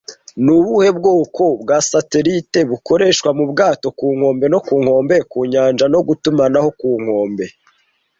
Ni ubuhe bwoko bwa satelite bukoreshwa mu bwato-ku-nkombe no ku nkombe-ku-nyanja no gutumanaho ku nkombe